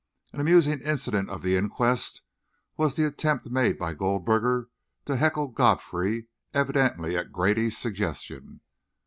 An amusing incident of the inquest was the attempt made by Goldberger to heckle Godfrey, evidently at Grady's suggestion.